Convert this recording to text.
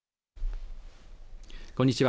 こんにちは。